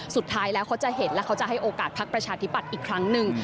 สุดท้ายแล้วเขาจะเห็นแล้วเขาจะให้โอกาสพักประชาธิปัตย์อีกครั้งหนึ่ง